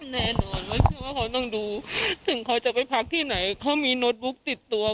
แน่นอนไม่ใช่ว่าเขาต้องดูถึงเขาจะไปพักที่ไหนเขามีโน้ตบุ๊กติดตัว